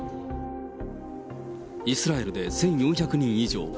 イスラエルで１４００人以上。